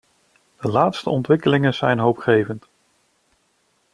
De laatste ontwikkelingen zijn hoopgevend.